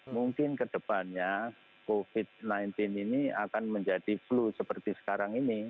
mungkin kedepannya covid sembilan belas ini akan menjadi flu seperti sekarang ini